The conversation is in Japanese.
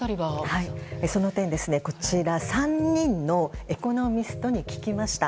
その点、３人のエコノミストに聞きました。